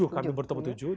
tujuh kami bertemu tujuh